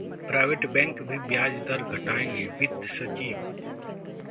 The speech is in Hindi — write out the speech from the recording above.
प्राइवेट बैंक भी ब्याज दर घटाएंगे: वित्त सचिव